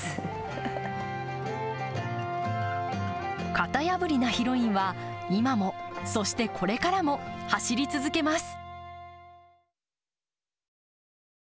型破りなヒロインは今も、そしてこれからも走り続けます。